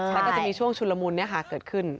แล้วก็จะมีช่วงชุนละมุนเกิดขึ้น